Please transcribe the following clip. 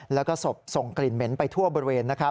แล้วก็ศพส่งกลิ่นเหม็นไปทั่วบริเวณนะครับ